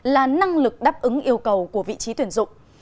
là năng lực đáp ứng yêu cầu của vị trí tuyển dụng